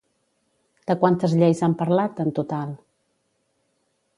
De quantes lleis han parlat, en total?